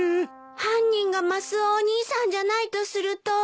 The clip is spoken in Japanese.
犯人がマスオお兄さんじゃないとすると。